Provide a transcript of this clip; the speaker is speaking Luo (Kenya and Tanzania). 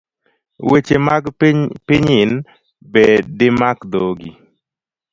Weche mag pinyin be dimak dhogi